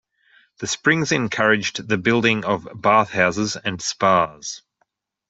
The springs encouraged the building of bathhouses and spas.